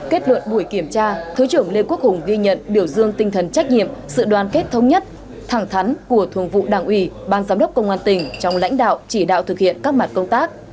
kết luận buổi kiểm tra thứ trưởng lê quốc hùng ghi nhận biểu dương tinh thần trách nhiệm sự đoàn kết thống nhất thẳng thắn của thường vụ đảng ủy ban giám đốc công an tỉnh trong lãnh đạo chỉ đạo thực hiện các mặt công tác